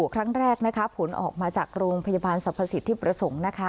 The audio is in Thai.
ครั้งแรกผลออกมาจากโรงพยาบาลสรรพสิทธิประสงค์นะคะ